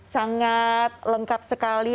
sangat lengkap sekali